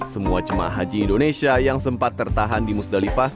semua jemaah haji indonesia yang sempat tertahan di musdalifah